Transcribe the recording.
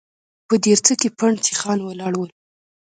په دريڅه کې پنډ سيخان ولاړ ول.